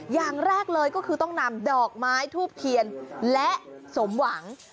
อย่างแรกเลยก็คือต้องนำดอกไม้ทูบเทียนและสมหวัง